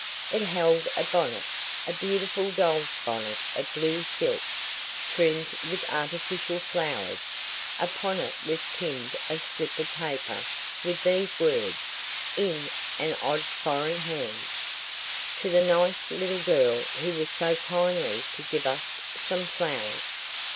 It held a bonnet a beautiful doll's bonnet of blue silk, trimmed with artificial flowers; upon it was pinned a slip of paper with these words, in an odd foreign hand: "To the nice little girl who was so kindly to give us some flowers."